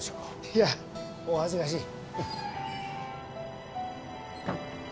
いやお恥ずかしい。